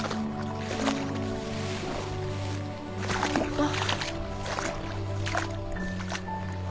あっ。